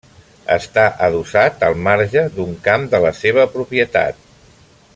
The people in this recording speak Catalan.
Està adossat al marge d'un camp de la seva propietat.